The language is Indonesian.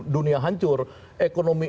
dunia hancur ekonomi